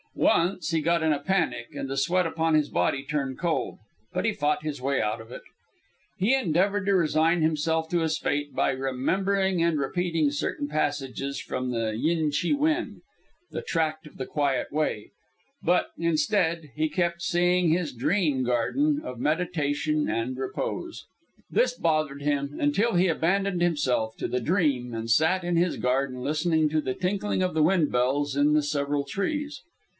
Once, he got in a panic, and the sweat upon his body turned cold; but he fought his way out of it. He endeavoured to resign himself to his fate by remembering and repeating certain passages from the "Yin Chih Wen" ("The Tract of the Quiet Way"); but, instead, he kept seeing his dream garden of meditation and repose. This bothered him, until he abandoned himself to the dream and sat in his garden listening to the tinkling of the windbells in the several trees.